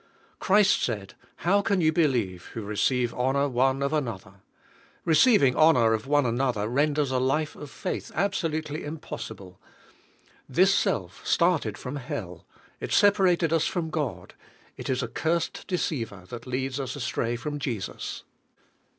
Christ said, "How can ye believe who receive honor one of another?" Receiving honor of one another renders a life of faith absolutely impossible. This self started from hell, it sepa rated us from God, it is a cursed deceiver that leads us astray from Jesus.